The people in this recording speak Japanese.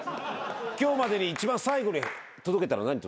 今日までに一番最後に何届けたの？